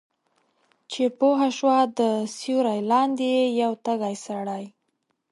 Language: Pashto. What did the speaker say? چې پوهه شوه د سیوری لاندې یې یو تږی سړی